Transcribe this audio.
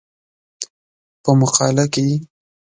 په مقاله کې